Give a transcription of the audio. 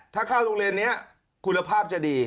ถ้าเข้าโรงเรียนนี้คุณภาพจะดี